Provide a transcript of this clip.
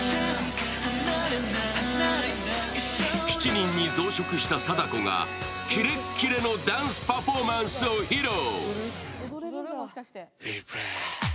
７人に増殖した貞子がキレッキレのダンスパフォーマンスを披露。